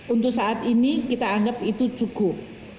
untuk saat ini kita anggap itu cukup